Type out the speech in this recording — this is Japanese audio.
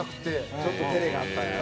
ちょっと照れがあったんやな。